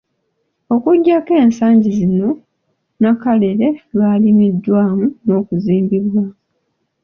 Okuggyako ensangi zino Nnakalere lw'alimiddwamu n'okuzimbibwamu.